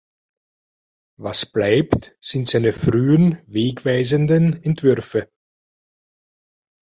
Was bleibt, sind seine frühen, wegweisenden Entwürfe.